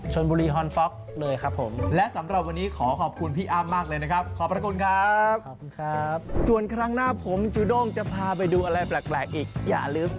จนไปถึงตัวสี่ห้าหมื่นเลย